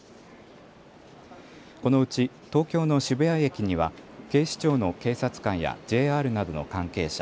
このうち東京の渋谷駅には警視庁の警察官やＪＲなどの関係者